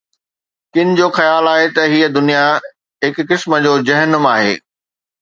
ڪن جو خيال آهي ته هيءَ دنيا هڪ قسم جو جهنم آهي.